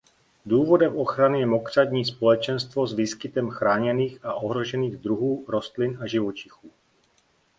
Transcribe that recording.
Důvodem ochrany je mokřadní společenstvo s výskytem chráněných a ohrožených druhů rostlin a živočichů.